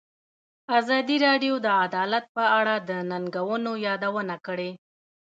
ازادي راډیو د عدالت په اړه د ننګونو یادونه کړې.